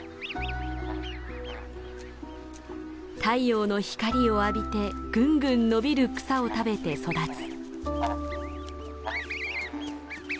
太陽の光を浴びてぐんぐん伸びる草を食べて育つ。